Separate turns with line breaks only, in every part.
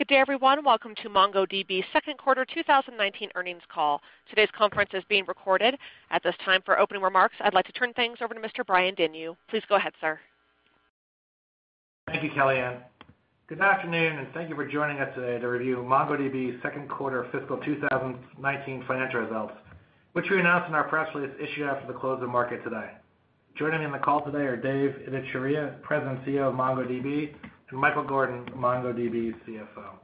Good day, everyone. Welcome to MongoDB's second quarter 2019 earnings call. Today's conference is being recorded. At this time, for opening remarks, I'd like to turn things over to Mr. Brian Deneu. Please go ahead, sir.
Thank you, Kellyanne. Good afternoon, and thank you for joining us today to review MongoDB's second quarter fiscal 2019 financial results, which we announced in our press release issued after the close of market today. Joining me on the call today are Dev Ittycheria, President and CEO of MongoDB, and Michael Gordon, MongoDB's CFO.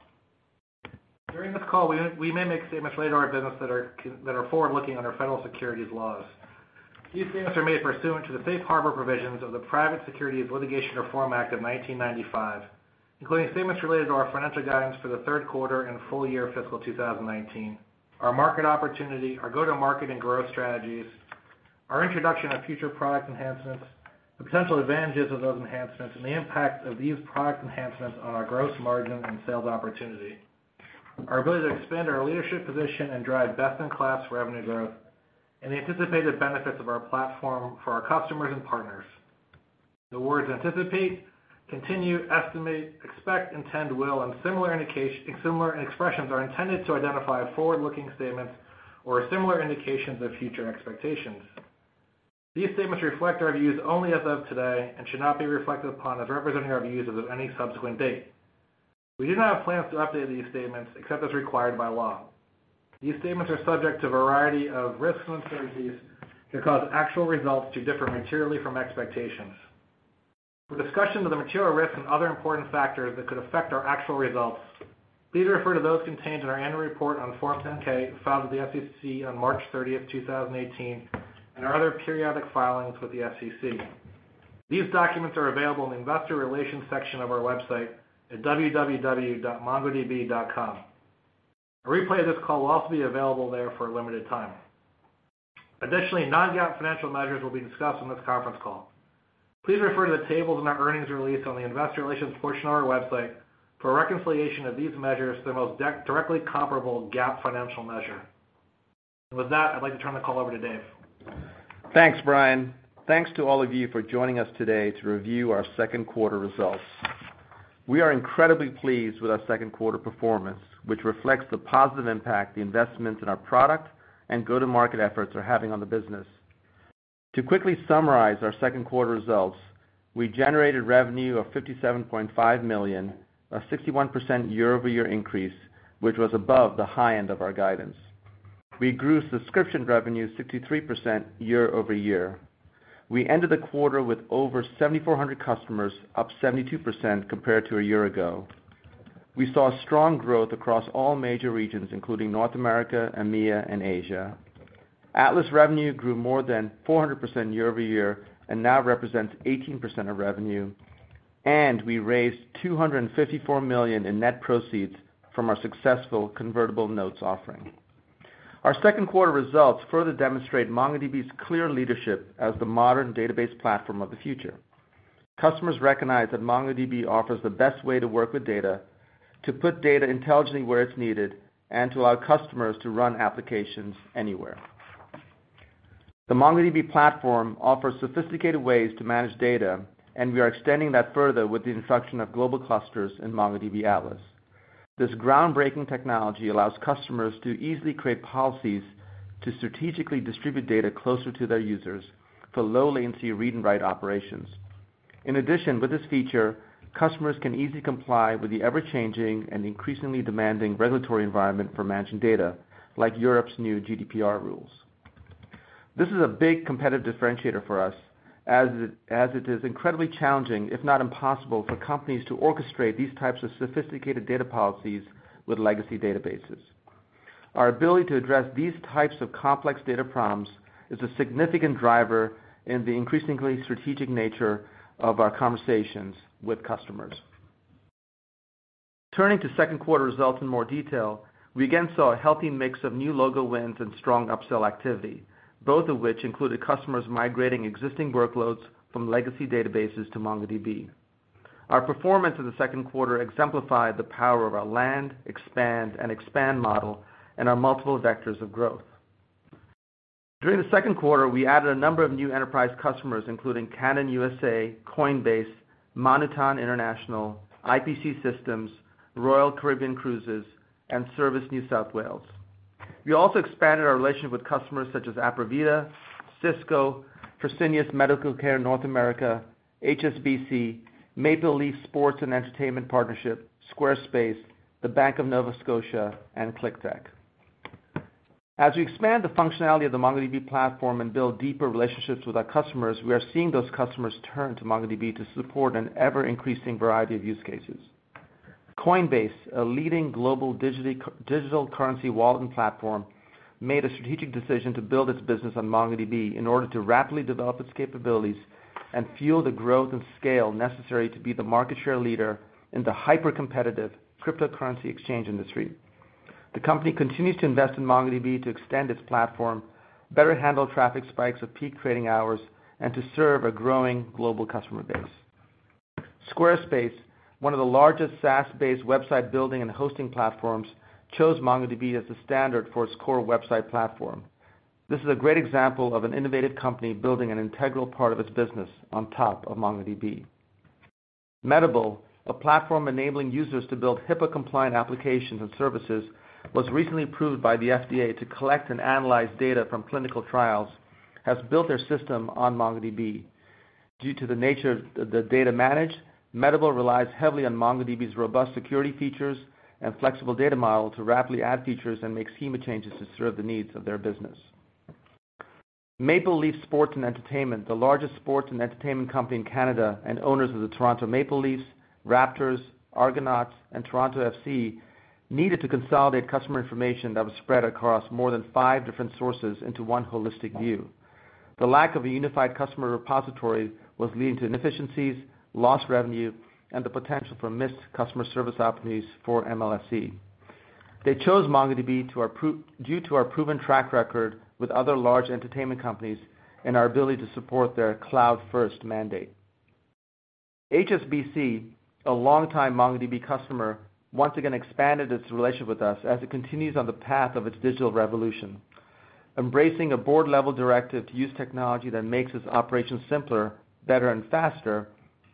During this call, we may make statements related to our business that are forward-looking under federal securities laws. These statements are made pursuant to the safe harbor provisions of the Private Securities Litigation Reform Act of 1995, including statements related to our financial guidance for the third quarter and full year fiscal 2019, our market opportunity, our go-to-market and growth strategies, our introduction of future product enhancements, the potential advantages of those enhancements, and the impact of these product enhancements on our gross margin and sales opportunity, our ability to expand our leadership position and drive best-in-class revenue growth, and the anticipated benefits of our platform for our customers and partners. The words anticipate, continue, estimate, expect, intend, will, and similar expressions are intended to identify forward-looking statements or similar indications of future expectations. These statements reflect our views only as of today and should not be reflected upon as representing our views as of any subsequent date. We do not have plans to update these statements except as required by law. These statements are subject to a variety of risks and uncertainties that cause actual results to differ materially from expectations. For discussion of the material risks and other important factors that could affect our actual results, please refer to those contained in our annual report on Form 10-K filed with the SEC on March 30th, 2018, and our other periodic filings with the SEC. These documents are available in the investor relations section of our website at www.mongodb.com. A replay of this call will also be available there for a limited time. Additionally, non-GAAP financial measures will be discussed on this conference call. Please refer to the tables in our earnings release on the investor relations portion of our website for a reconciliation of these measures to the most directly comparable GAAP financial measure. With that, I'd like to turn the call over to Dev.
Thanks, Brian. Thanks to all of you for joining us today to review our second quarter results. We are incredibly pleased with our second quarter performance, which reflects the positive impact the investments in our product and go-to-market efforts are having on the business. To quickly summarize our second quarter results, we generated revenue of $57.5 million, a 61% year-over-year increase, which was above the high end of our guidance. We grew subscription revenue 63% year-over-year. We ended the quarter with over 7,400 customers, up 72% compared to a year ago. We saw strong growth across all major regions, including North America, EMEA, and Asia. Atlas revenue grew more than 400% year-over-year and now represents 18% of revenue. We raised $254 million in net proceeds from our successful convertible notes offering. Our second quarter results further demonstrate MongoDB's clear leadership as the modern database platform of the future. Customers recognize that MongoDB offers the best way to work with data, to put data intelligently where it's needed, and to allow customers to run applications anywhere. The MongoDB platform offers sophisticated ways to manage data, and we are extending that further with the introduction of global clusters in MongoDB Atlas. This groundbreaking technology allows customers to easily create policies to strategically distribute data closer to their users for low-latency read and write operations. In addition, with this feature, customers can easily comply with the ever-changing and increasingly demanding regulatory environment for managing data, like Europe's new GDPR rules. This is a big competitive differentiator for us, as it is incredibly challenging, if not impossible, for companies to orchestrate these types of sophisticated data policies with legacy databases. Our ability to address these types of complex data problems is a significant driver in the increasingly strategic nature of our conversations with customers. Turning to second quarter results in more detail, we again saw a healthy mix of new logo wins and strong upsell activity, both of which included customers migrating existing workloads from legacy databases to MongoDB. Our performance in the second quarter exemplified the power of our land, expand, and expand model and our multiple vectors of growth. During the second quarter, we added a number of new enterprise customers, including Canon U.S.A., Coinbase, Monitran, IPC Systems, Royal Caribbean Cruises, and Service NSW. We also expanded our relationship with customers such as Apervita, Cisco, Fresenius Medical Care North America, HSBC, Maple Leaf Sports & Entertainment Partnership, Squarespace, the Bank of Nova Scotia, and ClickTech. As we expand the functionality of the MongoDB platform and build deeper relationships with our customers, we are seeing those customers turn to MongoDB to support an ever-increasing variety of use cases. Coinbase, a leading global digital currency wallet and platform, made a strategic decision to build its business on MongoDB in order to rapidly develop its capabilities and fuel the growth and scale necessary to be the market share leader in the hyper-competitive cryptocurrency exchange industry. The company continues to invest in MongoDB to extend its platform, better handle traffic spikes of peak trading hours, and to serve a growing global customer base. Squarespace, one of the largest SaaS-based website building and hosting platforms, chose MongoDB as the standard for its core website platform. This is a great example of an innovative company building an integral part of its business on top of MongoDB. Medable, a platform enabling users to build HIPAA-compliant applications and services, was recently approved by the FDA to collect and analyze data from clinical trials, has built their system on MongoDB. Due to the nature of the data managed, Medable relies heavily on MongoDB's robust security features and flexible data model to rapidly add features and make schema changes to serve the needs of their business. Maple Leaf Sports & Entertainment, the largest sports and entertainment company in Canada and owners of the Toronto Maple Leafs, Raptors, Argonauts, and Toronto FC, needed to consolidate customer information that was spread across more than five different sources into one holistic view. The lack of a unified customer repository was leading to inefficiencies, lost revenue, and the potential for missed customer service opportunities for MLSE. They chose MongoDB due to our proven track record with other large entertainment companies and our ability to support their cloud-first mandate. HSBC, a longtime MongoDB customer, once again expanded its relationship with us as it continues on the path of its digital revolution. Embracing a board-level directive to use technology that makes its operations simpler, better and faster,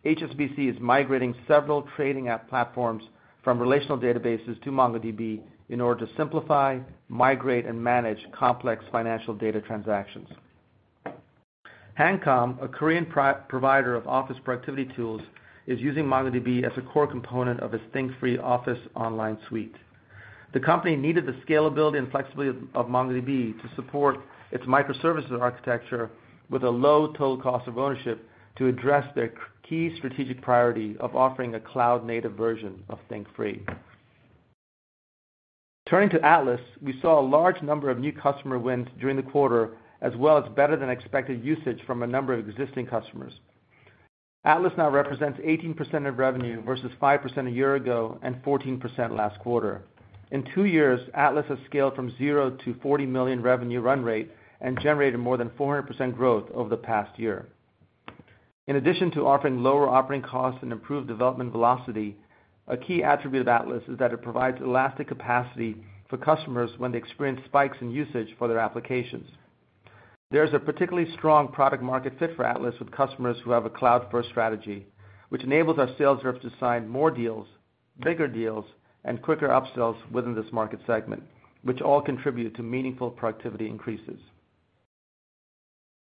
HSBC is migrating several trading app platforms from relational databases to MongoDB in order to simplify, migrate, and manage complex financial data transactions. Hancom, a Korean provider of office productivity tools, is using MongoDB as a core component of its ThinkFree Office online suite. The company needed the scalability and flexibility of MongoDB to support its microservices architecture with a low total cost of ownership to address their key strategic priority of offering a cloud-native version of ThinkFree. Turning to Atlas, we saw a large number of new customer wins during the quarter, as well as better-than-expected usage from a number of existing customers. Atlas now represents 18% of revenue versus 5% a year ago and 14% last quarter. In two years, Atlas has scaled from zero to $40 million revenue run rate and generated more than 400% growth over the past year. In addition to offering lower operating costs and improved development velocity, a key attribute of Atlas is that it provides elastic capacity for customers when they experience spikes in usage for their applications. There's a particularly strong product market fit for Atlas with customers who have a cloud-first strategy, which enables our sales reps to sign more deals, bigger deals, and quicker up-sells within this market segment, which all contribute to meaningful productivity increases.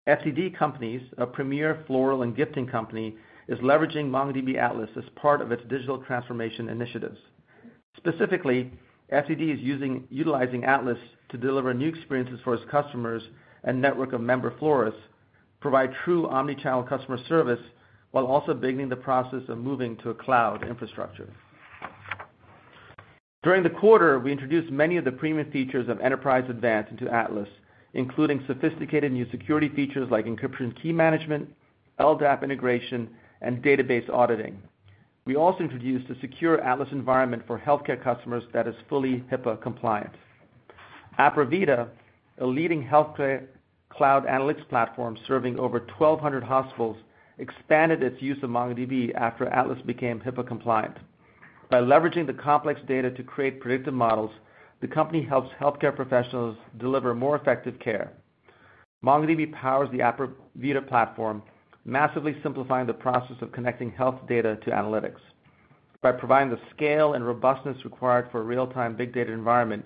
FTD Companies, a premier floral and gifting company, is leveraging MongoDB Atlas as part of its digital transformation initiatives. Specifically, FTD is utilizing Atlas to deliver new experiences for its customers and network of member florists, provide true omni-channel customer service, while also beginning the process of moving to a cloud infrastructure. During the quarter, we introduced many of the premium features of MongoDB Enterprise Advanced into Atlas, including sophisticated new security features like encryption key management, LDAP integration, and database auditing. We also introduced a secure Atlas environment for healthcare customers that is fully HIPAA compliant. Apervita, a leading healthcare cloud analytics platform serving over 1,200 hospitals, expanded its use of MongoDB after Atlas became HIPAA compliant. By leveraging the complex data to create predictive models, the company helps healthcare professionals deliver more effective care. MongoDB powers the Apervita platform, massively simplifying the process of connecting health data to analytics. By providing the scale and robustness required for a real-time big data environment,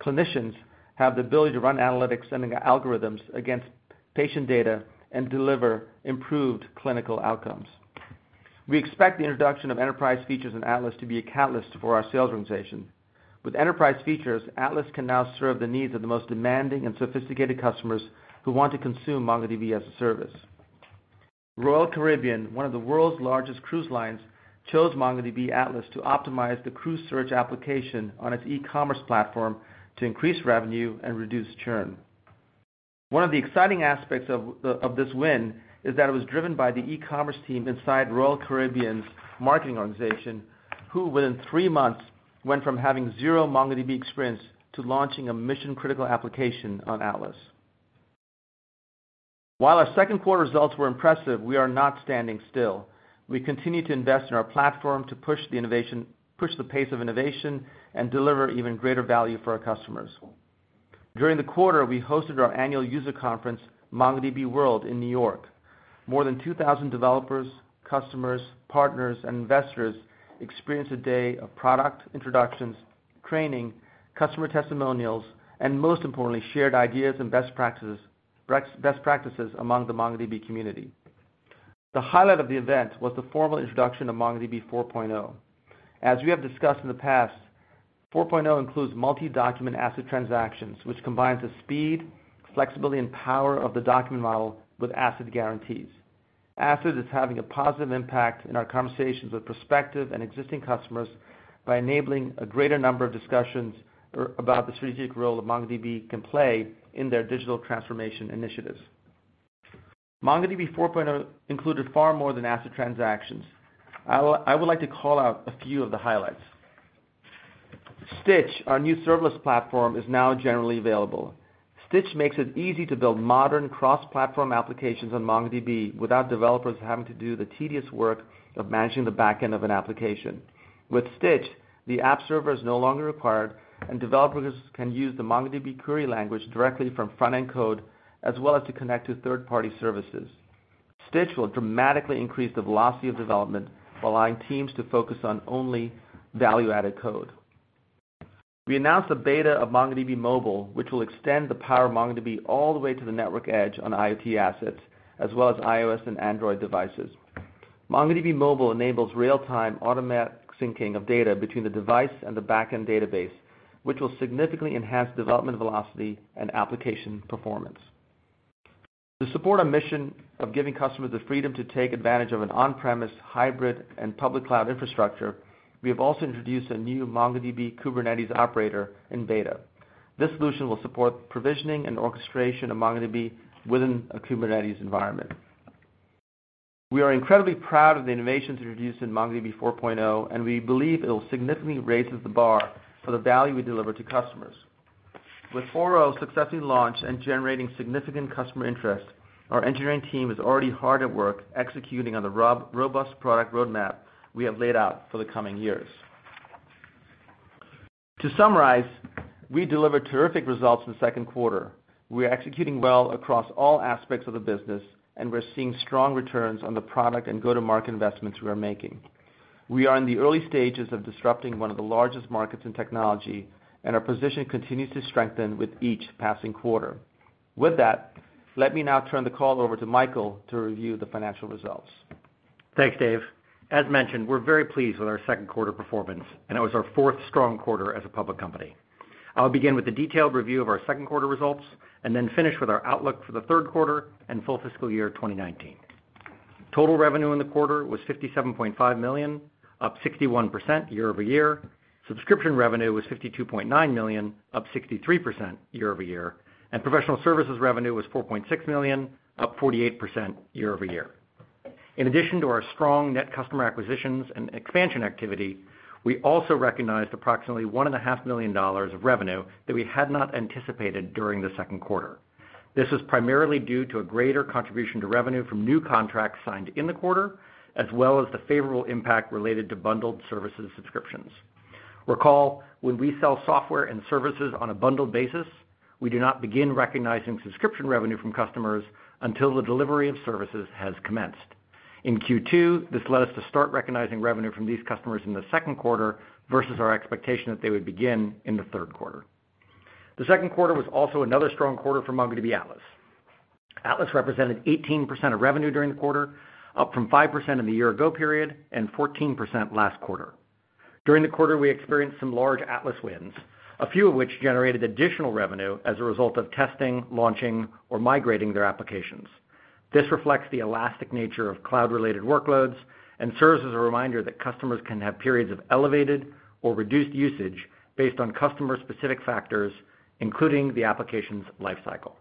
clinicians have the ability to run analytics and algorithms against patient data and deliver improved clinical outcomes. We expect the introduction of Enterprise features in Atlas to be a catalyst for our sales organization. With Enterprise features, Atlas can now serve the needs of the most demanding and sophisticated customers who want to consume MongoDB as a service. Royal Caribbean, one of the world's largest cruise lines, chose MongoDB Atlas to optimize the cruise search application on its e-commerce platform to increase revenue and reduce churn. One of the exciting aspects of this win is that it was driven by the e-commerce team inside Royal Caribbean's marketing organization, who within three months went from having zero MongoDB experience to launching a mission-critical application on Atlas. While our second quarter results were impressive, we are not standing still. We continue to invest in our platform to push the pace of innovation and deliver even greater value for our customers. During the quarter, we hosted our annual user conference, MongoDB World, in New York. More than 2,000 developers, customers, partners, and investors experienced a day of product introductions, training, customer testimonials, and most importantly, shared ideas and best practices among the MongoDB community. The highlight of the event was the formal introduction of MongoDB 4.0. As we have discussed in the past, 4.0 includes multi-document ACID transactions, which combines the speed, flexibility, and power of the document model with ACID guarantees. ACID is having a positive impact in our conversations with prospective and existing customers by enabling a greater number of discussions about the strategic role that MongoDB can play in their digital transformation initiatives. MongoDB 4.0 included far more than ACID transactions. I would like to call out a few of the highlights. Stitch, our new serverless platform, is now generally available. Stitch makes it easy to build modern cross-platform applications on MongoDB without developers having to do the tedious work of managing the back end of an application. With Stitch, the app server is no longer required, and developers can use the MongoDB query language directly from front-end code, as well as to connect to third-party services. Stitch will dramatically increase the velocity of development while allowing teams to focus on only value-added code. We announced the beta of MongoDB Mobile, which will extend the power of MongoDB all the way to the network edge on IoT assets, as well as iOS and Android devices. MongoDB Mobile enables real-time automatic syncing of data between the device and the back-end database, which will significantly enhance development velocity and application performance. To support our mission of giving customers the freedom to take advantage of an on-premise, hybrid, and public cloud infrastructure, we have also introduced a new MongoDB Kubernetes operator in beta. This solution will support the provisioning and orchestration of MongoDB within a Kubernetes environment. We are incredibly proud of the innovations introduced in MongoDB 4.0, and we believe it will significantly raise the bar for the value we deliver to customers. With 4.0 successfully launched and generating significant customer interest, our engineering team is already hard at work executing on the robust product roadmap we have laid out for the coming years. To summarize, we delivered terrific results in the second quarter. We are executing well across all aspects of the business, and we're seeing strong returns on the product and go-to-market investments we are making. We are in the early stages of disrupting one of the largest markets in technology, and our position continues to strengthen with each passing quarter. With that, let me now turn the call over to Michael to review the financial results.
Thanks, Dev. As mentioned, we're very pleased with our second quarter performance, and it was our fourth strong quarter as a public company. I'll begin with a detailed review of our second quarter results and then finish with our outlook for the third quarter and full fiscal year 2019. Total revenue in the quarter was $57.5 million, up 61% year-over-year. Subscription revenue was $52.9 million, up 63% year-over-year. Professional services revenue was $4.6 million, up 48% year-over-year. In addition to our strong net customer acquisitions and expansion activity, we also recognized approximately $1.5 million of revenue that we had not anticipated during the second quarter. This was primarily due to a greater contribution to revenue from new contracts signed in the quarter, as well as the favorable impact related to bundled services subscriptions. Recall, when we sell software and services on a bundled basis, we do not begin recognizing subscription revenue from customers until the delivery of services has commenced. In Q2, this led us to start recognizing revenue from these customers in the second quarter versus our expectation that they would begin in the third quarter. The second quarter was also another strong quarter for MongoDB Atlas. Atlas represented 18% of revenue during the quarter, up from 5% in the year ago period and 14% last quarter. During the quarter, we experienced some large Atlas wins, a few of which generated additional revenue as a result of testing, launching, or migrating their applications. This reflects the elastic nature of cloud-related workloads and serves as a reminder that customers can have periods of elevated or reduced usage based on customer-specific factors, including the application's life cycle.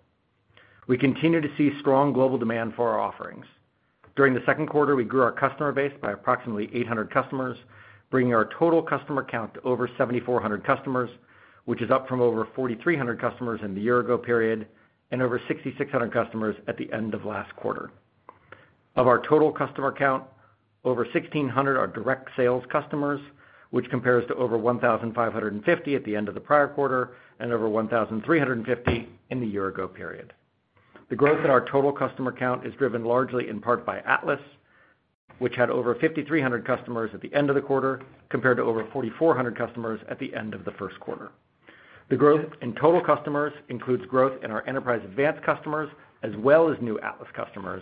We continue to see strong global demand for our offerings. During the second quarter, we grew our customer base by approximately 800 customers, bringing our total customer count to over 7,400 customers, which is up from over 4,300 customers in the year ago period and over 6,600 customers at the end of last quarter. Of our total customer count, over 1,600 are direct sales customers, which compares to over 1,550 at the end of the prior quarter and over 1,350 in the year ago period. The growth in our total customer count is driven largely in part by Atlas, which had over 5,300 customers at the end of the quarter, compared to over 4,400 customers at the end of the first quarter. The growth in total customers includes growth in our Enterprise Advanced customers, as well as new Atlas customers.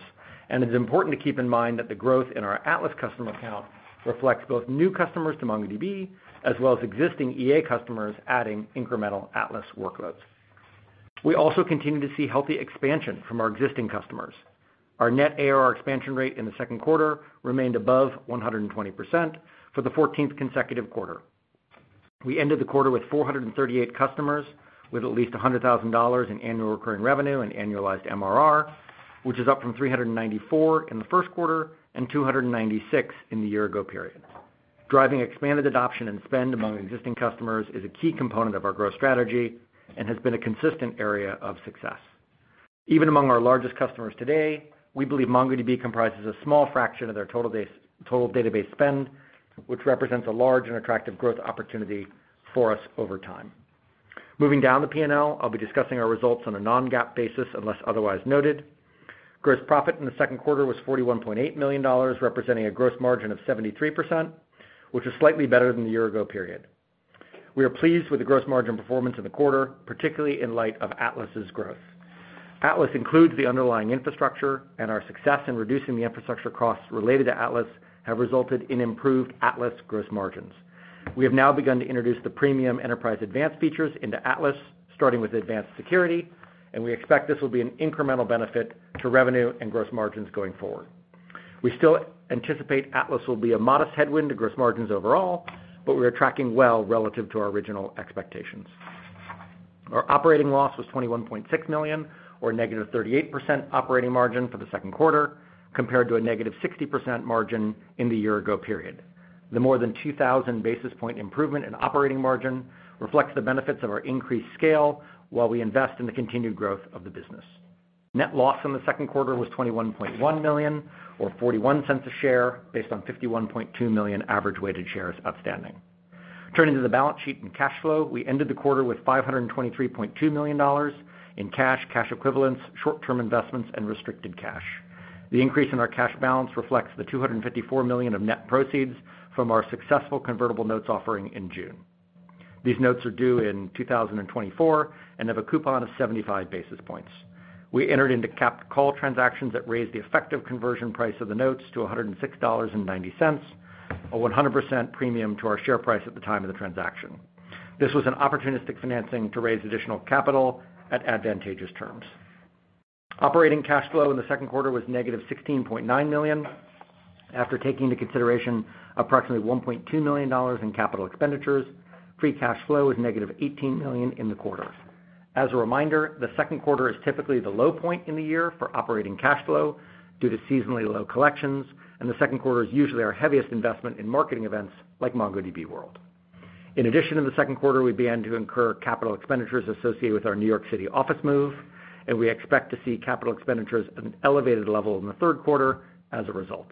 It's important to keep in mind that the growth in our Atlas customer count reflects both new customers to MongoDB as well as existing EA customers adding incremental Atlas workloads. We also continue to see healthy expansion from our existing customers. Our net ARR expansion rate in the second quarter remained above 120% for the 14th consecutive quarter. We ended the quarter with 438 customers with at least $100,000 in annual recurring revenue and annualized MRR, which is up from 394 in the first quarter and 296 in the year ago period. Driving expanded adoption and spend among existing customers is a key component of our growth strategy and has been a consistent area of success. Even among our largest customers today, we believe MongoDB comprises a small fraction of their total database spend, which represents a large and attractive growth opportunity for us over time. Moving down the P&L, I'll be discussing our results on a non-GAAP basis unless otherwise noted. Gross profit in the second quarter was $41.8 million, representing a gross margin of 73%, which was slightly better than the year ago period. We are pleased with the gross margin performance in the quarter, particularly in light of Atlas's growth. Atlas includes the underlying infrastructure and our success in reducing the infrastructure costs related to Atlas have resulted in improved Atlas gross margins. We have now begun to introduce the premium Enterprise Advanced features into Atlas, starting with advanced security. We expect this will be an incremental benefit to revenue and gross margins going forward. We still anticipate Atlas will be a modest headwind to gross margins overall. We are tracking well relative to our original expectations. Our operating loss was $21.6 million or negative 38% operating margin for the second quarter, compared to a negative 60% margin in the year ago period. The more than 2,000 basis point improvement in operating margin reflects the benefits of our increased scale while we invest in the continued growth of the business. Net loss in the second quarter was $21.1 million, or $0.41 a share, based on 51.2 million average weighted shares outstanding. Turning to the balance sheet and cash flow, we ended the quarter with $523.2 million in cash equivalents, short-term investments, and restricted cash. The increase in our cash balance reflects the $254 million of net proceeds from our successful convertible notes offering in June. These notes are due in 2024 and have a coupon of 75 basis points. We entered into capped call transactions that raised the effective conversion price of the notes to $106.90, a 100% premium to our share price at the time of the transaction. This was an opportunistic financing to raise additional capital at advantageous terms. Operating cash flow in the second quarter was -$16.9 million, after taking into consideration approximately $1.2 million in capital expenditures. Free cash flow is -$18 million in the quarter. As a reminder, the second quarter is typically the low point in the year for operating cash flow due to seasonally low collections, and the second quarter is usually our heaviest investment in marketing events like MongoDB World. In the second quarter, we began to incur capital expenditures associated with our New York City office move, and we expect to see capital expenditures at an elevated level in the third quarter as a result.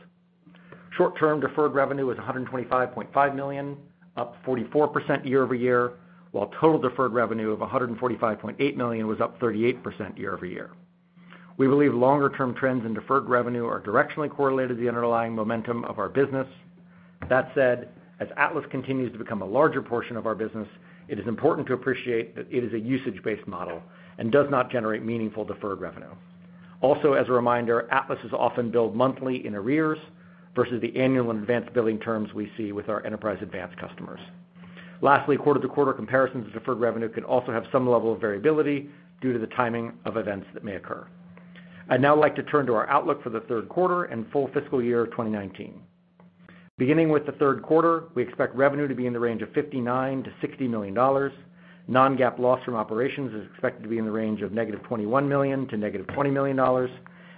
Short-term deferred revenue was $125.5 million, up 44% year-over-year, while total deferred revenue of $145.8 million was up 38% year-over-year. We believe longer-term trends in deferred revenue are directionally correlated to the underlying momentum of our business. That said, as Atlas continues to become a larger portion of our business, it is important to appreciate that it is a usage-based model and does not generate meaningful deferred revenue. As a reminder, Atlas is often billed monthly in arrears versus the annual in advance billing terms we see with our Enterprise Advanced customers. Quarter-over-quarter comparisons of deferred revenue could also have some level of variability due to the timing of events that may occur. I'd now like to turn to our outlook for the third quarter and full fiscal year 2019. For the third quarter, we expect revenue to be in the range of $59 million-$60 million. Non-GAAP loss from operations is expected to be in the range of -$21 million to -$20 million,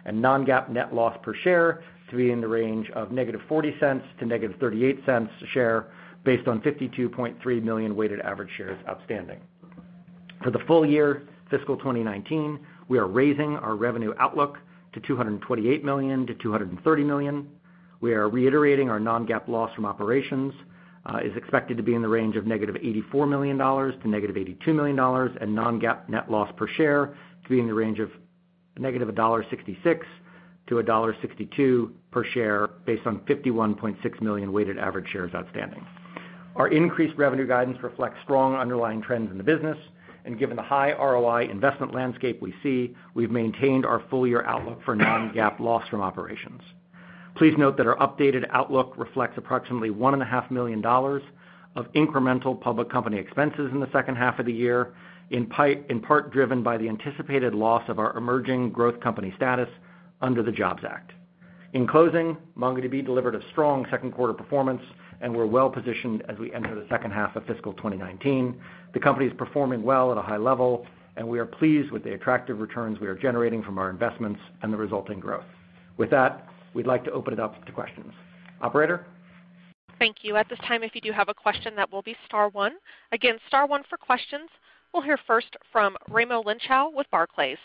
and non-GAAP net loss per share to be in the range of -$0.40 to -$0.38 a share based on 52.3 million weighted average shares outstanding. For the full year fiscal 2019, we are raising our revenue outlook to $228 million-$230 million. We are reiterating our non-GAAP loss from operations is expected to be in the range of -$84 million to -$82 million, and non-GAAP net loss per share to be in the range of -$1.66 to -$1.62 per share based on 51.6 million weighted average shares outstanding. Our increased revenue guidance reflects strong underlying trends in the business, and given the high ROI investment landscape we see, we've maintained our full-year outlook for non-GAAP loss from operations. Please note that our updated outlook reflects approximately $1.5 million of incremental public company expenses in the second half of the year, in part driven by the anticipated loss of our emerging growth company status under the JOBS Act. In closing, MongoDB delivered a strong second quarter performance and we're well-positioned as we enter the second half of fiscal 2019. The company is performing well at a high level, and we are pleased with the attractive returns we are generating from our investments and the resulting growth. With that, we'd like to open it up to questions. Operator?
Thank you. At this time, if you do have a question, that will be star 1. Again, star 1 for questions. We'll hear first from Raimo Lenschow with Barclays.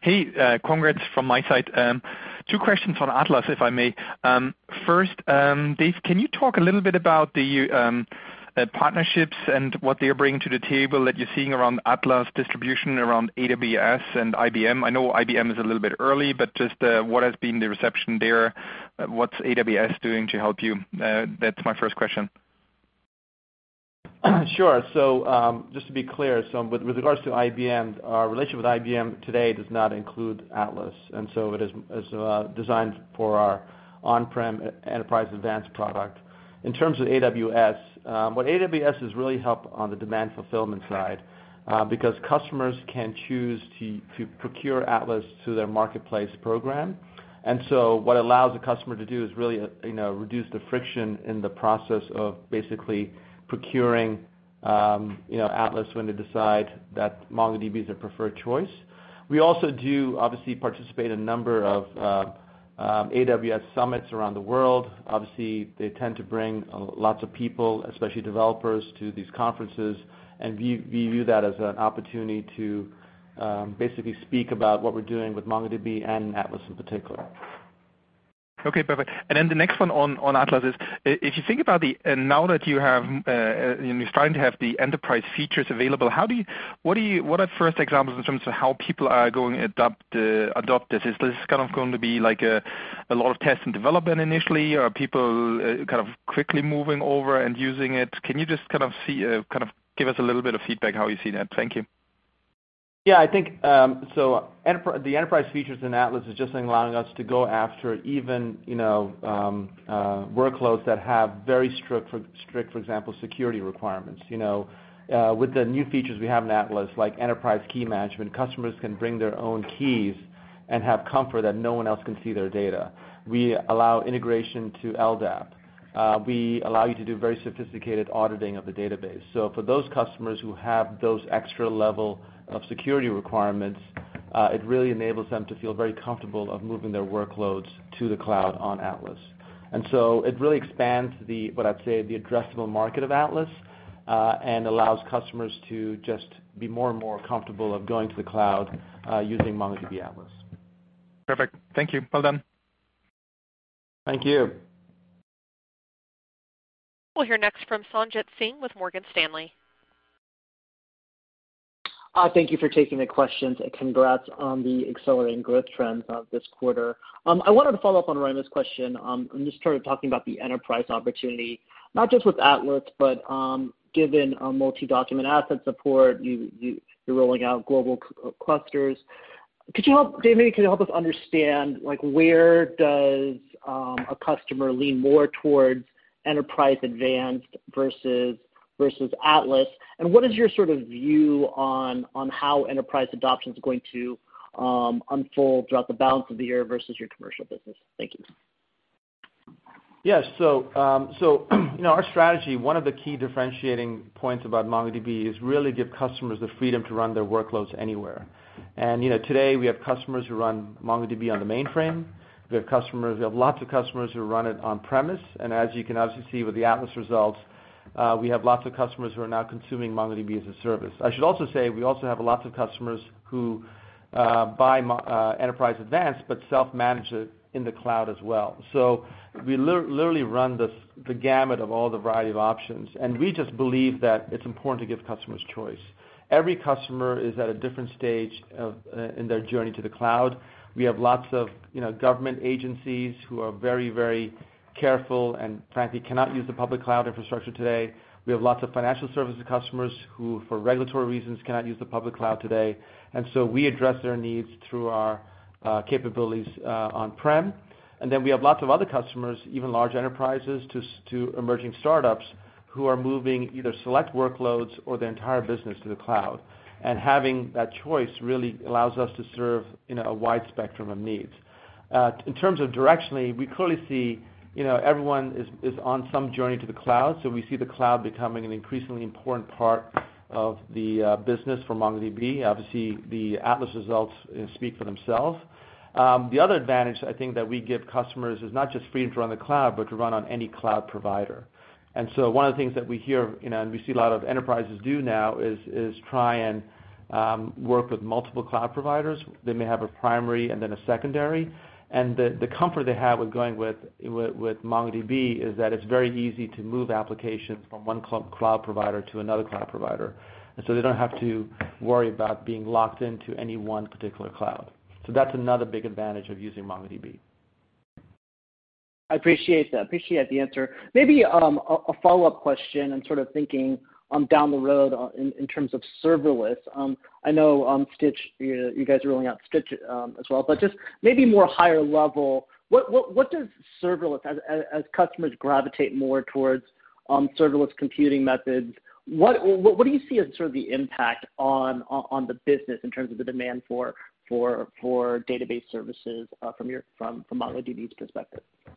Hey, congrats from my side. Two questions on Atlas, if I may. First, Dev, can you talk a little bit about the partnerships and what they're bringing to the table that you're seeing around Atlas distribution around AWS and IBM? I know IBM is a little bit early, but just what has been the reception there? What's AWS doing to help you? That's my first question.
Sure. Just to be clear, so with regards to IBM, our relationship with IBM today does not include Atlas. It is designed for our on-prem MongoDB Enterprise Advanced product. In terms of AWS, what AWS has really helped on the demand fulfillment side, because customers can choose to procure Atlas through their marketplace program. What allows the customer to do is really reduce the friction in the process of basically procuring Atlas when they decide that MongoDB is their preferred choice. We also do obviously participate in a number of AWS summits around the world. Obviously, they tend to bring lots of people, especially developers, to these conferences, and we view that as an opportunity to basically speak about what we're doing with MongoDB and Atlas in particular.
Okay, perfect. The next one on Atlas is, if you think about the, now that you're starting to have the enterprise features available, what are first examples in terms of how people are going to adopt this? Is this going to be like a lot of tests in development initially? Are people quickly moving over and using it? Can you just give us a little bit of feedback how you see that? Thank you.
I think, the enterprise features in Atlas is just allowing us to go after even workloads that have very strict, for example, security requirements. With the new features we have in Atlas, like enterprise key management, customers can bring their own keys and have comfort that no one else can see their data. We allow integration to LDAP. We allow you to do very sophisticated auditing of the database. For those customers who have those extra level of security requirements, it really enables them to feel very comfortable of moving their workloads to the cloud on Atlas. It really expands the, what I'd say, the addressable market of Atlas.
Allows customers to just be more and more comfortable of going to the cloud using MongoDB Atlas.
Perfect. Thank you. Well done.
Thank you.
We'll hear next from Sanjit Singh with Morgan Stanley.
Thank you for taking the questions. Congrats on the accelerating growth trends of this quarter. I wanted to follow up on Raimo's question, and just sort of talking about the enterprise opportunity, not just with Atlas, but given multi-document ACID support, you're rolling out global clusters. Dev, maybe can you help us understand, where does a customer lean more towards Enterprise Advanced versus Atlas, and what is your sort of view on how enterprise adoption's going to unfold throughout the balance of the year versus your commercial business? Thank you.
Yes. Our strategy, one of the key differentiating points about MongoDB is really give customers the freedom to run their workloads anywhere. Today, we have customers who run MongoDB on the mainframe. We have lots of customers who run it on-premise, and as you can obviously see with the Atlas results, we have lots of customers who are now consuming MongoDB as a service. I should also say we also have lots of customers who buy Enterprise Advanced, but self-manage it in the cloud as well. We literally run the gamut of all the variety of options, and we just believe that it's important to give customers choice. Every customer is at a different stage in their journey to the cloud. We have lots of government agencies who are very careful and frankly, cannot use the public cloud infrastructure today. We have lots of financial services customers who, for regulatory reasons, cannot use the public cloud today. We address their needs through our capabilities on-prem. We have lots of other customers, even large enterprises to emerging startups, who are moving either select workloads or their entire business to the cloud. Having that choice really allows us to serve a wide spectrum of needs. In terms of directionally, we clearly see everyone is on some journey to the cloud. We see the cloud becoming an increasingly important part of the business for MongoDB. Obviously, the Atlas results speak for themselves. The other advantage I think that we give customers is not just freedom to run on the cloud, but to run on any cloud provider. One of the things that we hear, and we see a lot of enterprises do now is try and work with multiple cloud providers. They may have a primary and then a secondary. The comfort they have with going with MongoDB is that it's very easy to move applications from one cloud provider to another cloud provider. They don't have to worry about being locked into any one particular cloud. That's another big advantage of using MongoDB.
I appreciate that. I appreciate the answer. Maybe a follow-up question and sort of thinking down the road in terms of serverless. I know you guys are rolling out Stitch as well. Just maybe more higher level, as customers gravitate more towards serverless computing methods, what do you see as sort of the impact on the business in terms of the demand for database services from MongoDB's perspective?
Yeah,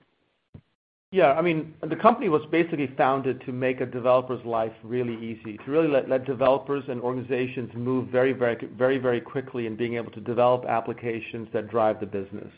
I mean, the company was basically founded to make a developer's life really easy, to really let developers and organizations move very quickly in being able to develop applications that drive the business.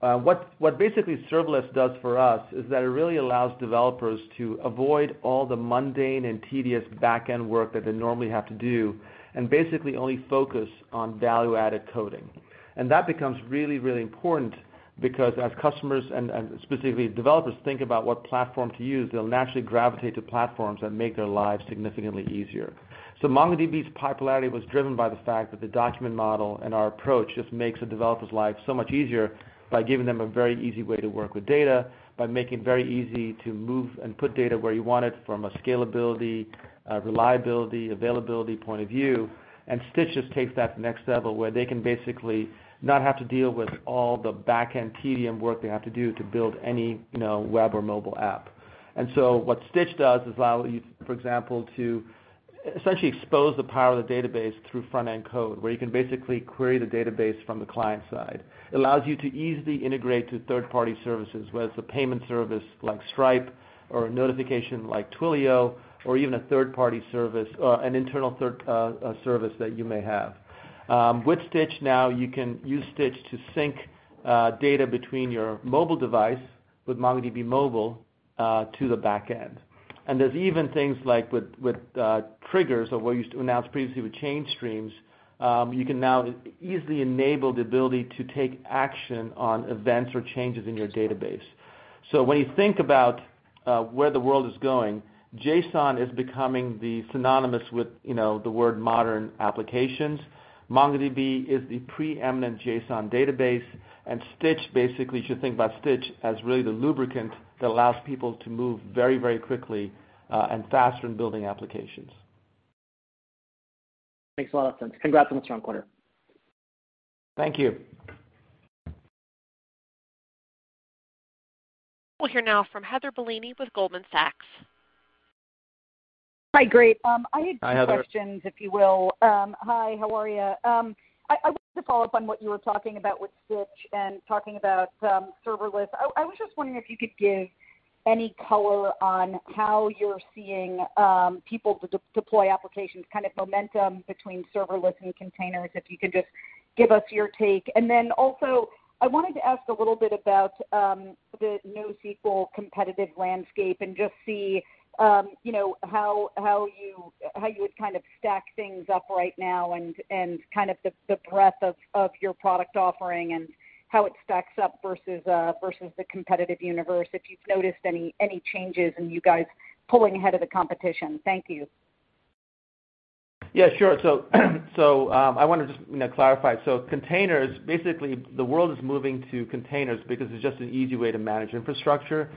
What basically serverless does for us is that it really allows developers to avoid all the mundane and tedious back-end work that they normally have to do, and basically only focus on value-added coding. That becomes really important because as customers, and specifically developers, think about what platform to use, they'll naturally gravitate to platforms that make their lives significantly easier. MongoDB's popularity was driven by the fact that the document model and our approach just makes a developer's life so much easier by giving them a very easy way to work with data, by making it very easy to move and put data where you want it from a scalability, reliability, availability point of view. Stitch just takes that to the next level, where they can basically not have to deal with all the back-end tedium work they have to do to build any web or mobile app. What Stitch does is allow you, for example, to essentially expose the power of the database through front-end code, where you can basically query the database from the client side. It allows you to easily integrate to third-party services, whether it's a payment service like Stripe or a notification like Twilio, or even an internal service that you may have. With Stitch now, you can use Stitch to sync data between your mobile device with MongoDB Mobile to the back-end. There's even things like with Triggers or what we announced previously with change streams, you can now easily enable the ability to take action on events or changes in your database. When you think about where the world is going, JSON is becoming the synonymous with the word modern applications. MongoDB is the preeminent JSON database, and you should think about Stitch as really the lubricant that allows people to move very quickly and faster in building applications.
Makes a lot of sense. Congrats on the strong quarter.
Thank you.
We'll hear now from Heather Bellini with Goldman Sachs.
Hi, great.
Hi, Heather.
I had two questions, if you will. Hi, how are you? I wanted to follow up on what you were talking about with Stitch and talking about serverless. I was just wondering if you could give any color on how you're seeing people deploy applications, kind of momentum between serverless and containers. Give us your take. Also, I wanted to ask a little bit about the NoSQL competitive landscape and just see how you would stack things up right now and the breadth of your product offering and how it stacks up versus the competitive universe, if you've noticed any changes in you guys pulling ahead of the competition. Thank you.
Yeah, sure. I want to just clarify. Containers, basically the world is moving to containers because it's just an easy way to manage infrastructure.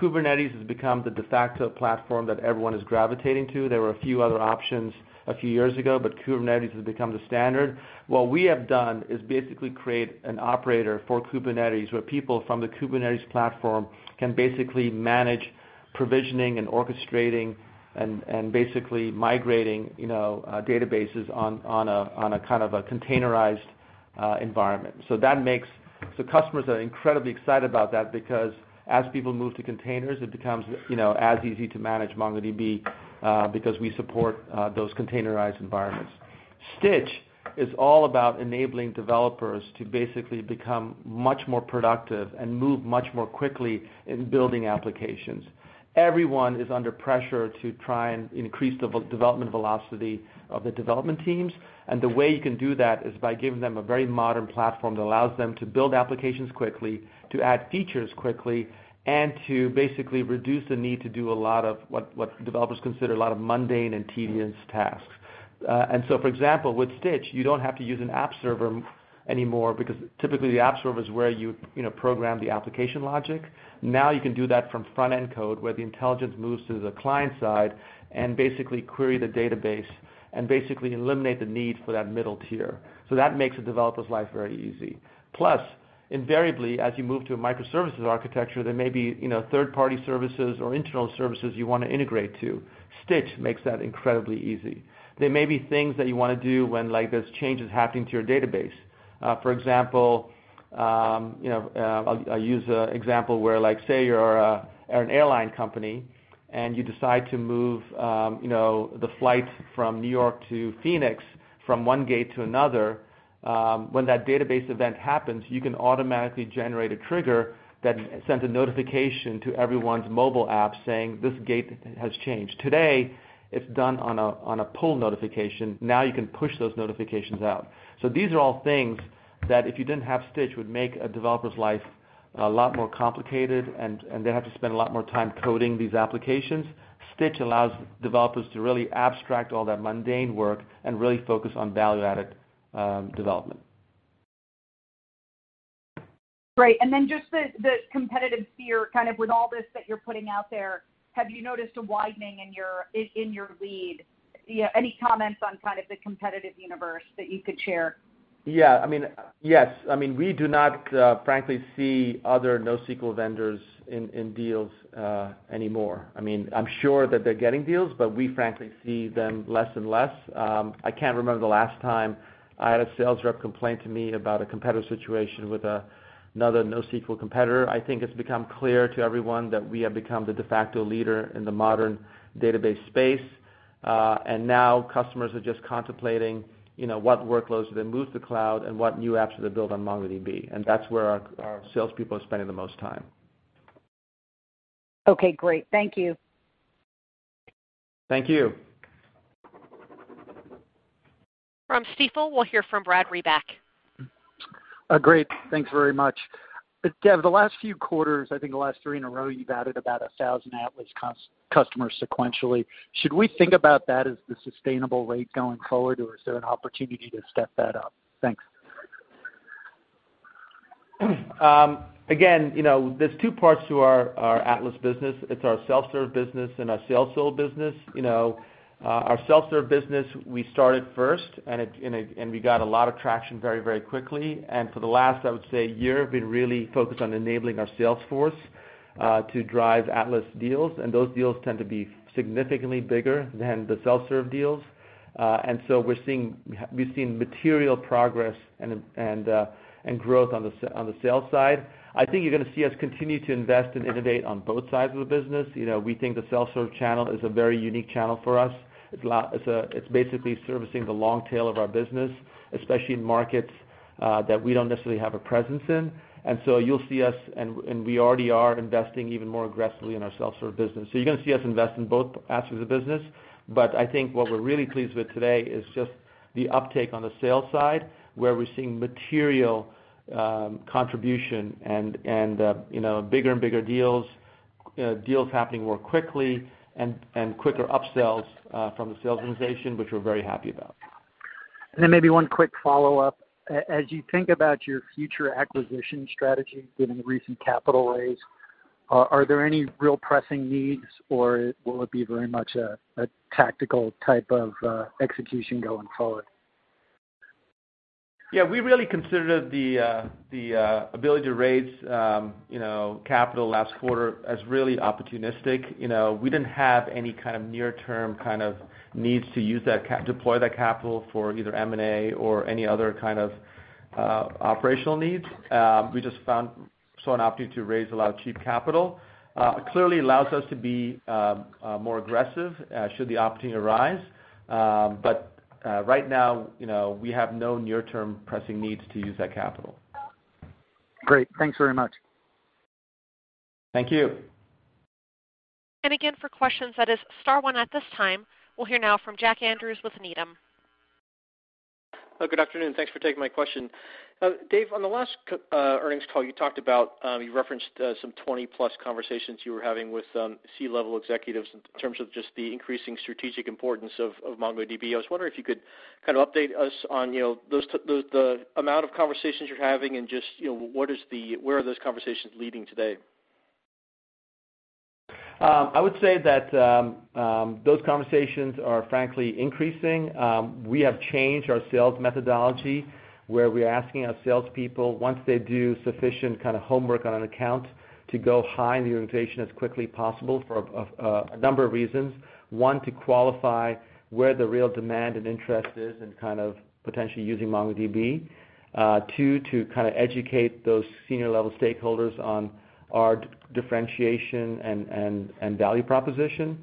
Kubernetes has become the de facto platform that everyone is gravitating to. There were a few other options a few years ago, but Kubernetes has become the standard. What we have done is basically create an operator for Kubernetes, where people from the Kubernetes platform can basically manage provisioning and orchestrating and basically migrating databases on a containerized environment. Customers are incredibly excited about that because as people move to containers, it becomes as easy to manage MongoDB, because we support those containerized environments. Stitch is all about enabling developers to basically become much more productive and move much more quickly in building applications. Everyone is under pressure to try and increase the development velocity of the development teams. The way you can do that is by giving them a very modern platform that allows them to build applications quickly, to add features quickly, and to basically reduce the need to do a lot of what developers consider a lot of mundane and tedious tasks. For example, with Stitch, you don't have to use an app server anymore because typically the app server is where you program the application logic. Now you can do that from front-end code, where the intelligence moves to the client side and basically query the database and basically eliminate the need for that middle tier. That makes a developer's life very easy. Plus, invariably, as you move to a microservices architecture, there may be third-party services or internal services you want to integrate to. Stitch makes that incredibly easy. There may be things that you want to do when there's changes happening to your database. For example, I'll use an example where, say you're an airline company, and you decide to move the flight from New York to Phoenix from one gate to another. When that database event happens, you can automatically generate a trigger that sends a notification to everyone's mobile app saying, "This gate has changed." Today, it's done on a pull notification. Now you can push those notifications out. These are all things that if you didn't have Stitch, would make a developer's life a lot more complicated, and they have to spend a lot more time coding these applications. Stitch allows developers to really abstract all that mundane work and really focus on value-added development.
Great. Just the competitive sphere with all this that you're putting out there, have you noticed a widening in your lead? Any comments on kind of the competitive universe that you could share?
Yes. We do not frankly see other NoSQL vendors in deals anymore. I'm sure that they're getting deals, but we frankly see them less and less. I can't remember the last time I had a sales rep complain to me about a competitive situation with another NoSQL competitor. I think it's become clear to everyone that we have become the de facto leader in the modern database space. Now customers are just contemplating what workloads do they move to the cloud and what new apps do they build on MongoDB. That's where our salespeople are spending the most time.
Okay, great. Thank you.
Thank you.
From Stifel, we'll hear from Brad Reback.
Great. Thanks very much. Dev, the last few quarters, I think the last three in a row, you've added about 1,000 Atlas customers sequentially. Should we think about that as the sustainable rate going forward, or is there an opportunity to step that up? Thanks.
There's two parts to our Atlas business. It's our self-serve business and our sales-serve business. Our self-serve business, we started first, we got a lot of traction very quickly. For the last, I would say, year, we've been really focused on enabling our sales force to drive Atlas deals, those deals tend to be significantly bigger than the self-serve deals. We're seeing material progress and growth on the sales side. I think you're going to see us continue to invest and innovate on both sides of the business. We think the self-serve channel is a very unique channel for us. It's basically servicing the long tail of our business, especially in markets that we don't necessarily have a presence in. You'll see us, we already are investing even more aggressively in our self-serve business. You're going to see us invest in both aspects of the business. I think what we're really pleased with today is just the uptake on the sales side, where we're seeing material contribution and bigger and bigger deals happening more quickly and quicker up-sells from the sales organization, which we're very happy about.
Maybe one quick follow-up. As you think about your future acquisition strategy given the recent capital raise, are there any real pressing needs or will it be very much a tactical type of execution going forward?
Yeah, we really considered the ability to raise capital last quarter as really opportunistic. We didn't have any near-term needs to deploy that capital for either M&A or any other kind of operational needs. We just found an opportunity to raise a lot of cheap capital. It clearly allows us to be more aggressive should the opportunity arise. Right now, we have no near-term pressing needs to use that capital.
Great. Thanks very much.
Thank you.
Again, for questions, that is star one at this time. We'll hear now from Jack Andrews with Needham.
Good afternoon. Thanks for taking my question. Dev, on the last earnings call, you referenced some 20-plus conversations you were having with C-level executives in terms of just the increasing strategic importance of MongoDB. I was wondering if you could update us on the amount of conversations you're having and just where are those conversations leading today?
I would say that those conversations are frankly increasing. We have changed our sales methodology, where we're asking our salespeople, once they do sufficient homework on an account, to go high in the organization as quickly as possible for a number of reasons. One, to qualify where the real demand and interest is in potentially using MongoDB. Two, to educate those senior-level stakeholders on our differentiation and value proposition.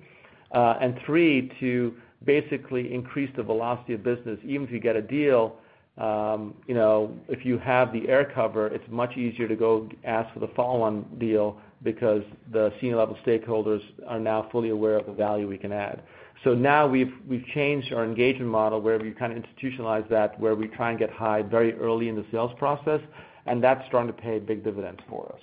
Three, to basically increase the velocity of business. Even if you get a deal, if you have the air cover, it's much easier to go ask for the follow-on deal because the senior-level stakeholders are now fully aware of the value we can add. Now we've changed our engagement model, where we've institutionalized that, where we try and get high very early in the sales process, and that's starting to pay big dividends for us.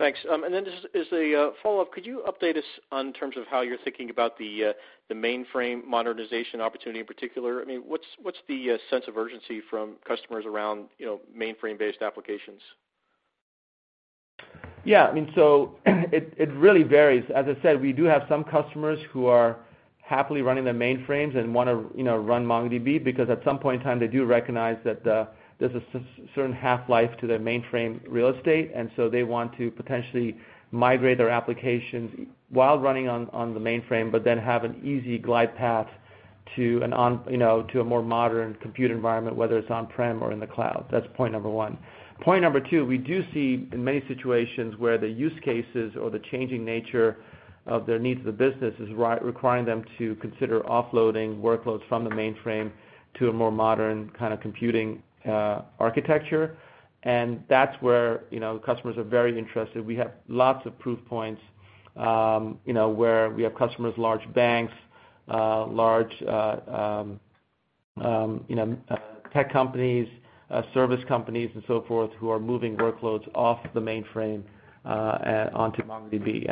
Thanks. Then just as a follow-up, could you update us on terms of how you're thinking about the mainframe modernization opportunity in particular? What's the sense of urgency from customers around mainframe-based applications?
Yeah. It really varies. As I said, we do have some customers who are happily running their mainframes and want to run MongoDB, because at some point in time, they do recognize that there's a certain half-life to their mainframe real estate. So they want to potentially migrate their applications while running on the mainframe, then have an easy glide path to a more modern compute environment, whether it's on-prem or in the cloud. That's point number 1. Point number 2, we do see in many situations where the use cases or the changing nature of their needs of the business is requiring them to consider offloading workloads from the mainframe to a more modern computing architecture. That's where customers are very interested. We have lots of proof points where we have customers, large banks, large tech companies, service companies, and so forth, who are moving workloads off the mainframe onto MongoDB.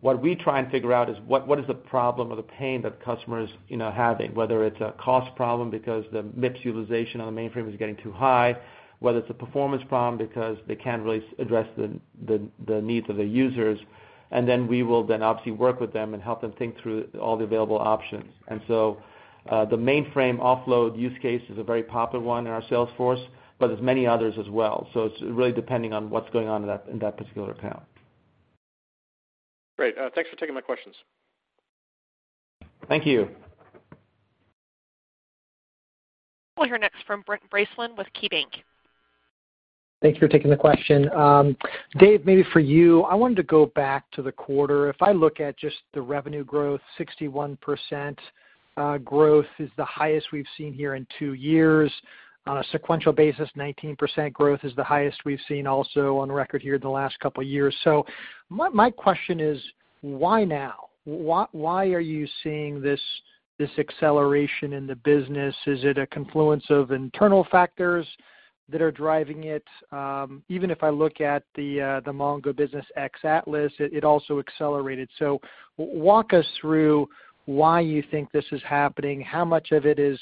What we try and figure out is what is the problem or the pain that the customer is having, whether it's a cost problem because the MIPS utilization on the mainframe is getting too high, whether it's a performance problem because they can't really address the needs of their users. Then we will then obviously work with them and help them think through all the available options. The mainframe offload use case is a very popular one in our sales force, but there's many others as well. It's really depending on what's going on in that particular account.
Great. Thanks for taking my questions.
Thank you.
We'll hear next from Brent Bracelin with KeyBanc.
Thanks for taking the question. Dev, maybe for you, I wanted to go back to the quarter. If I look at just the revenue growth, 61% growth is the highest we've seen here in two years. On a sequential basis, 19% growth is the highest we've seen also on record here in the last couple of years. My question is, why now? Why are you seeing this acceleration in the business? Is it a confluence of internal factors that are driving it? Even if I look at the Mongo business ex Atlas, it also accelerated. Walk us through why you think this is happening, how much of it is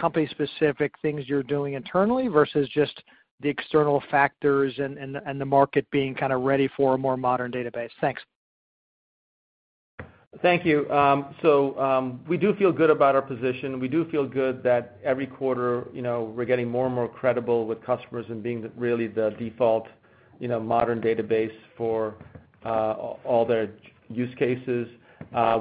company-specific things you're doing internally versus just the external factors and the market being ready for a more modern database. Thanks.
Thank you. We do feel good about our position. We do feel good that every quarter we're getting more and more credible with customers and being really the default modern database for all their use cases.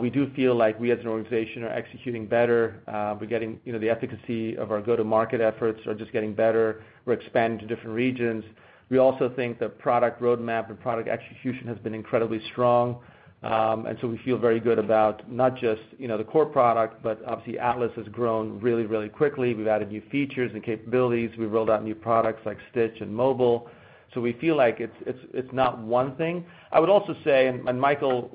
We do feel like we, as an organization, are executing better. The efficacy of our go-to-market efforts are just getting better. We're expanding to different regions. We also think the product roadmap and product execution has been incredibly strong. We feel very good about not just the core product, but obviously Atlas has grown really quickly. We've added new features and capabilities. We've rolled out new products like Stitch and Mobile. We feel like it's not one thing. I would also say, Michael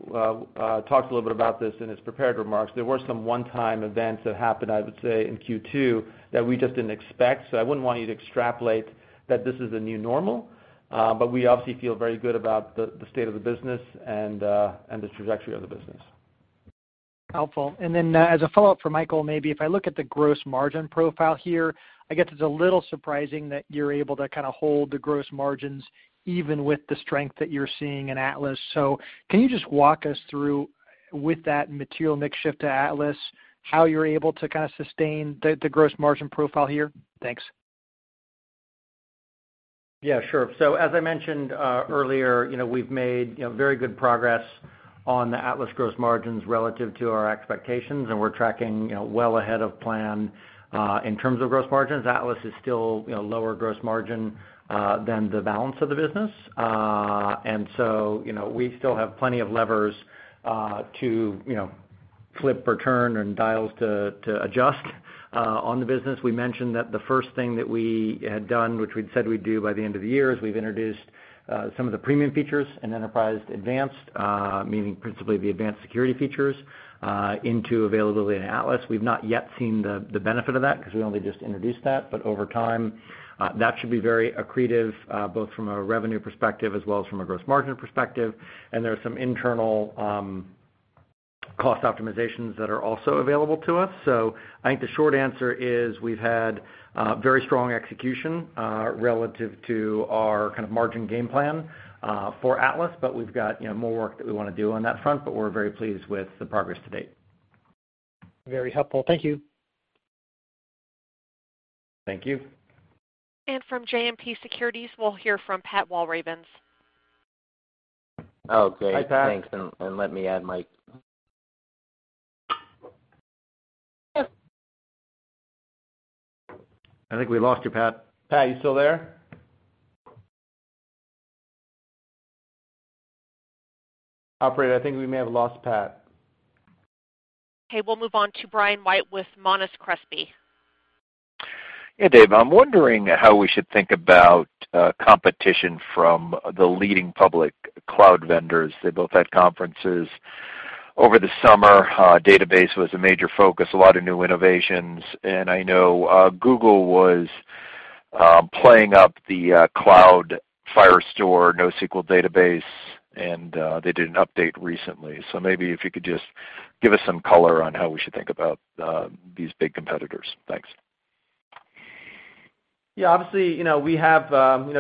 talked a little bit about this in his prepared remarks, there were some one-time events that happened, I would say, in Q2 that we just didn't expect. I wouldn't want you to extrapolate that this is the new normal. We obviously feel very good about the state of the business and the trajectory of the business.
Helpful. Then as a follow-up for Michael, maybe if I look at the gross margin profile here, I guess it's a little surprising that you're able to hold the gross margins even with the strength that you're seeing in Atlas. Can you just walk us through with that material mix shift to Atlas, how you're able to sustain the gross margin profile here? Thanks.
Yeah, sure. As I mentioned earlier, we've made very good progress on the Atlas gross margins relative to our expectations, and we're tracking well ahead of plan, in terms of gross margins. Atlas is still lower gross margin than the balance of the business. We still have plenty of levers to flip or turn and dials to adjust on the business. We mentioned that the first thing that we had done, which we'd said we'd do by the end of the year, is we've introduced some of the premium features in Enterprise Advanced, meaning principally the advanced security features, into availability in Atlas. We've not yet seen the benefit of that because we only just introduced that. Over time, that should be very accretive, both from a revenue perspective as well as from a gross margin perspective.
There are some internal cost optimizations that are also available to us. I think the short answer is we've had very strong execution relative to our kind of margin game plan for Atlas. We've got more work that we want to do on that front, but we're very pleased with the progress to date.
Very helpful. Thank you.
Thank you.
From JMP Securities, we'll hear from Pat Walravens.
Oh, great.
Hi, Pat.
Thanks. Let me add my--
I think we lost you, Pat. Pat, are you still there? Operator, I think we may have lost Pat.
We'll move on to Brian White with Monness Crespi.
Hey, Dev. I'm wondering how we should think about competition from the leading public cloud vendors. They both had conferences over the summer. Database was a major focus, a lot of new innovations. I know Google was playing up the Cloud Firestore, NoSQL database, and they did an update recently. Maybe if you could just give us some color on how we should think about these big competitors. Thanks.
Obviously, we have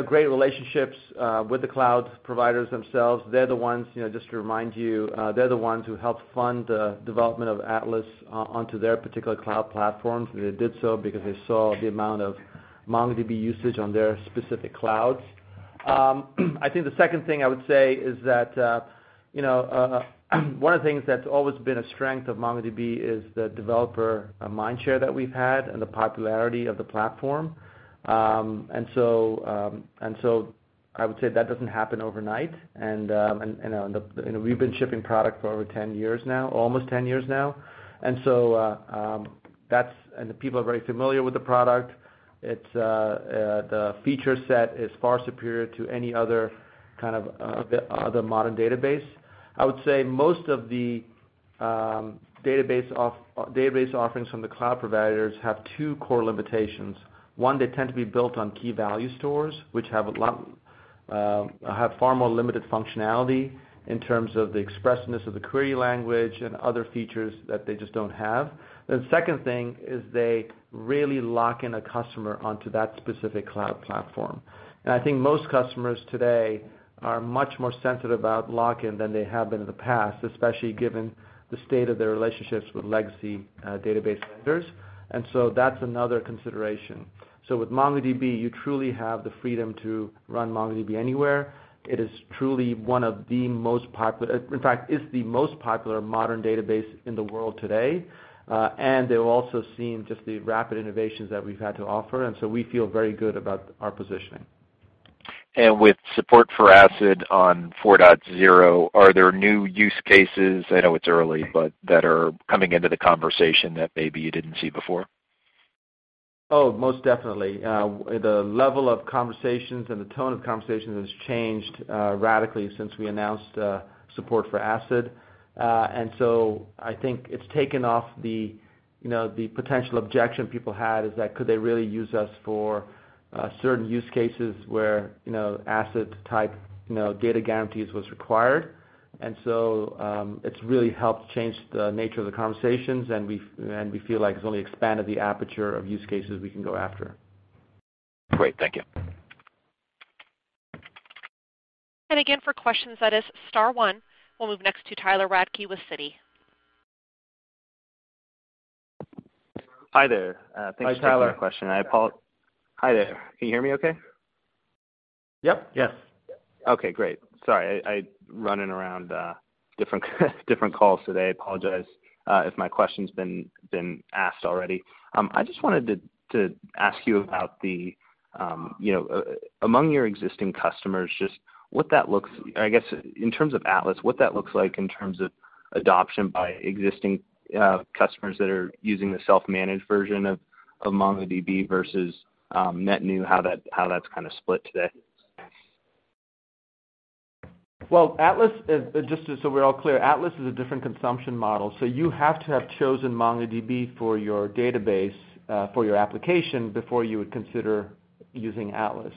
great relationships with the cloud providers themselves. Just to remind you, they're the ones who helped fund the development of Atlas onto their particular cloud platforms. They did so because they saw the amount of MongoDB usage on their specific clouds. I think the second thing I would say is that, one of the things that's always been a strength of MongoDB is the developer mind share that we've had and the popularity of the platform. I would say that doesn't happen overnight. We've been shipping product for over 10 years now, almost 10 years now. The people are very familiar with the product. The feature set is far superior to any other modern database. I would say most of the database offerings from the cloud providers have two core limitations. One, they tend to be built on key value stores, which have far more limited functionality in terms of the expressiveness of the query language and other features that they just don't have. The second thing is they really lock in a customer onto that specific cloud platform. I think most customers today are much more sensitive about lock-in than they have been in the past, especially given the state of their relationships with legacy database vendors. That's another consideration. With MongoDB, you truly have the freedom to run MongoDB anywhere. It is truly one of the most popular, in fact, it's the most popular modern database in the world today. They've also seen just the rapid innovations that we've had to offer, we feel very good about our positioning.
With support for ACID on 4.0, are there new use cases, I know it's early, but that are coming into the conversation that maybe you didn't see before?
Oh, most definitely. The level of conversations and the tone of conversations has changed radically since we announced support for ACID. I think it's taken off the potential objection people had is that could they really use us for certain use cases where ACID-type data guarantees was required. It's really helped change the nature of the conversations, we feel like it's only expanded the aperture of use cases we can go after.
Great. Thank you.
For questions, that is star one. We'll move next to Tyler Radke with Citi.
Hi there.
Hi, Tyler.
Thanks for taking the question. Hi there. Can you hear me okay?
Yep. Yes.
Okay, great. Sorry, I'm running around different calls today. Apologize if my question's been asked already. I just wanted to ask you about among your existing customers, just what that looks, I guess, in terms of Atlas, what that looks like in terms of adoption by existing customers that are using the self-managed version of MongoDB versus net new, how that's kind of split today?
Well, just so we're all clear, Atlas is a different consumption model. You have to have chosen MongoDB for your database, for your application before you would consider using Atlas.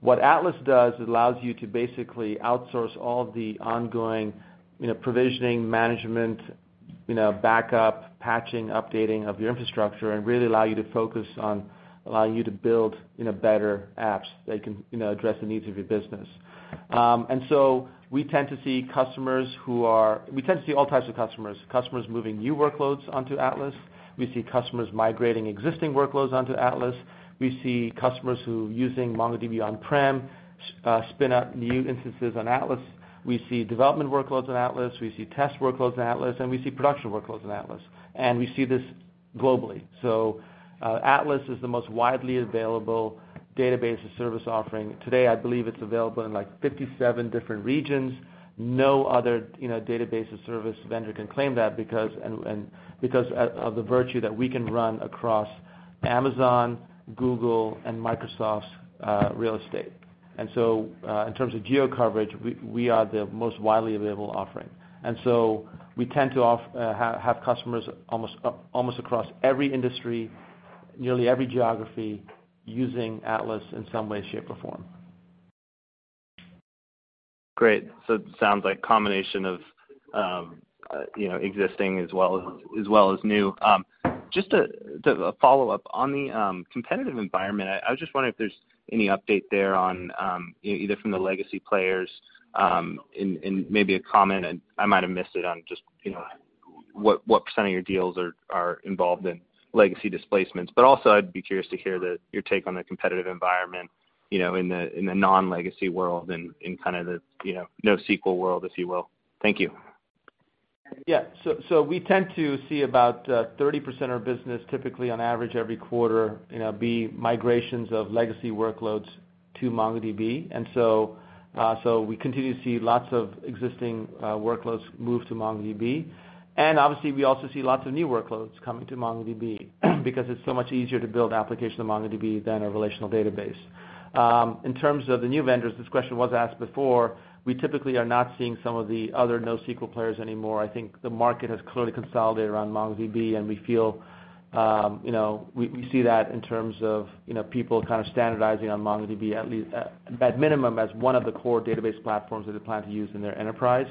What Atlas does, it allows you to basically outsource all the ongoing provisioning, management, backup, patching, updating of your infrastructure, and really allow you to focus on allowing you to build better apps that can address the needs of your business. We tend to see all types of customers. Customers moving new workloads onto Atlas. We see customers migrating existing workloads onto Atlas. We see customers who are using MongoDB on-prem which spin up new instances on Atlas. We see development workloads on Atlas, we see test workloads on Atlas, and we see production workloads on Atlas, and we see this globally. Atlas is the most widely available database service offering. Today, I believe it's available in 57 different regions. No other database service vendor can claim that because of the virtue that we can run across Amazon, Google, and Microsoft's real estate. In terms of geo coverage, we are the most widely available offering. We tend to have customers almost across every industry, nearly every geography, using Atlas in some way, shape, or form.
Great. It sounds like combination of existing as well as new. Just a follow-up. On the competitive environment, I was just wondering if there's any update there either from the legacy players, and maybe a comment, I might have missed it, on just what % of your deals are involved in legacy displacements. Also, I'd be curious to hear your take on the competitive environment in the non-legacy world and in the NoSQL world, if you will. Thank you.
Yeah. We tend to see about 30% of our business typically on average every quarter be migrations of legacy workloads to MongoDB. We continue to see lots of existing workloads move to MongoDB. Obviously, we also see lots of new workloads coming to MongoDB because it's so much easier to build application to MongoDB than a relational database. In terms of the new vendors, this question was asked before, we typically are not seeing some of the other NoSQL players anymore. I think the market has clearly consolidated around MongoDB, and we see that in terms of people standardizing on MongoDB, at minimum as one of the core database platforms that they plan to use in their enterprise.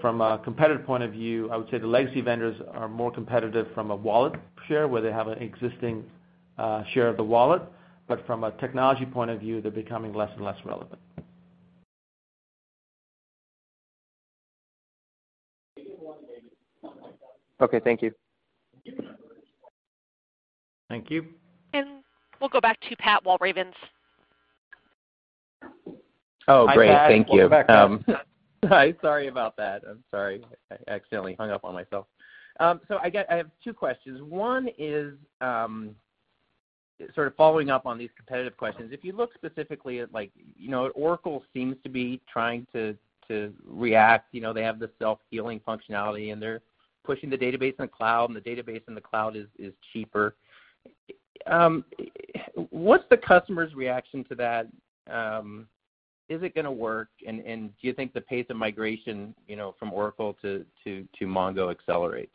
From a competitive point of view, I would say the legacy vendors are more competitive from a wallet share where they have an existing share of the wallet. From a technology point of view, they're becoming less and less relevant.
Okay. Thank you.
Thank you.
We'll go back to Pat Walravens.
Great. Thank you.
Hi, Pat. Welcome back, Pat.
Hi. Sorry about that. I'm sorry. I accidentally hung up on myself. I have two questions. One is sort of following up on these competitive questions. If you look specifically at, Oracle seems to be trying to react. They have the self-healing functionality, and they're pushing the database in the cloud, and the database in the cloud is cheaper. What's the customer's reaction to that? Is it going to work? Do you think the pace of migration from Oracle to Mongo accelerates?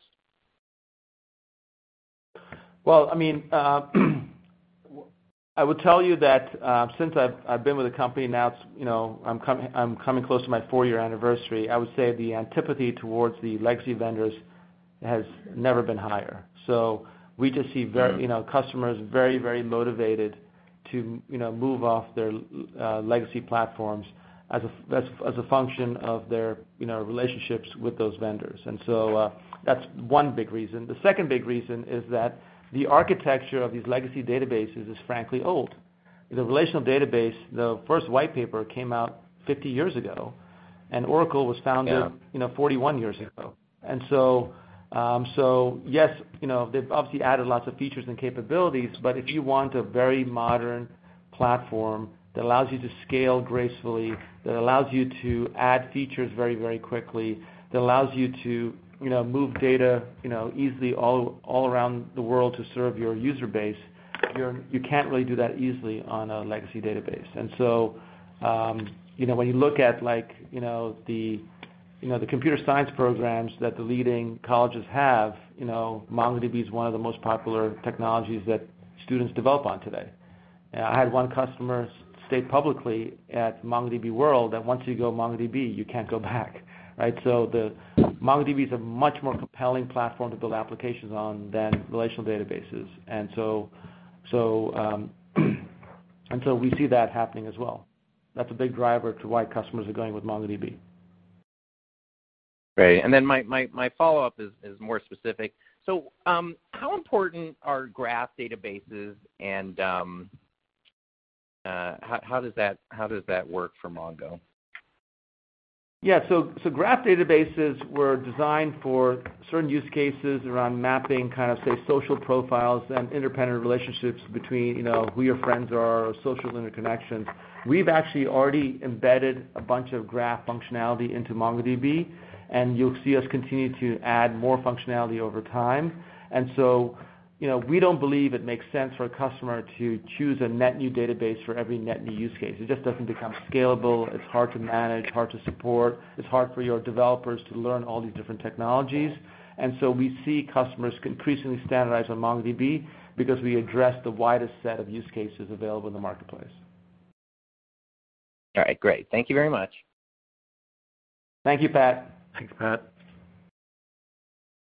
I would tell you that, since I've been with the company, now I'm coming close to my four-year anniversary, I would say the antipathy towards the legacy vendors has never been higher. We just see customers very motivated to move off their legacy platforms as a function of their relationships with those vendors. That's one big reason. The second big reason is that the architecture of these legacy databases is frankly old. The relational database, the first white paper came out 50 years ago, Oracle was founded 41 years ago. Yes, they've obviously added lots of features and capabilities, but if you want a very modern platform that allows you to scale gracefully, that allows you to add features very quickly, that allows you to move data easily all around the world to serve your user base, you can't really do that easily on a legacy database. When you look at the computer science programs that the leading colleges have, MongoDB is one of the most popular technologies that students develop on today. I had one customer state publicly at MongoDB World that once you go MongoDB, you can't go back. Right? MongoDB is a much more compelling platform to build applications on than relational databases. We see that happening as well. That's a big driver to why customers are going with MongoDB.
Great. My follow-up is more specific. How important are graph databases and how does that work for Mongo?
Graph databases were designed for certain use cases around mapping, say, social profiles and independent relationships between who your friends are or social interconnections. We've actually already embedded a bunch of graph functionality into MongoDB, and you'll see us continue to add more functionality over time. We don't believe it makes sense for a customer to choose a net new database for every net new use case. It just doesn't become scalable. It's hard to manage, hard to support. It's hard for your developers to learn all these different technologies. We see customers increasingly standardize on MongoDB because we address the widest set of use cases available in the marketplace.
All right. Great. Thank you very much.
Thank you, Pat.
Thanks, Pat.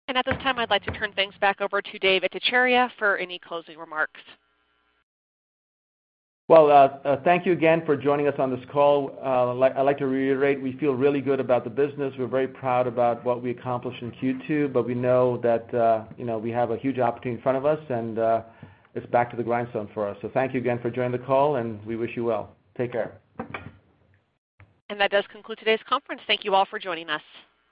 At this time, I'd like to turn things back over to Dev Ittycheria for any closing remarks.
Well, thank you again for joining us on this call. I'd like to reiterate, we feel really good about the business. We're very proud about what we accomplished in Q2, but we know that we have a huge opportunity in front of us, and it's back to the grindstone for us. Thank you again for joining the call, and we wish you well. Take care.
That does conclude today's conference. Thank you all for joining us.